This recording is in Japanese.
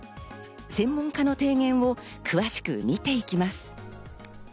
専門家の提言を詳しく見ていきます。